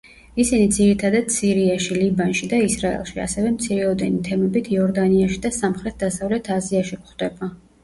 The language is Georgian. ისინი ძირითადად სირიაში, ლიბანში და ისრაელში, ასევე მცირეოდენი თემებით იორდანიაში და სამხრეთ-დასავლეთ აზიაში გვხდება.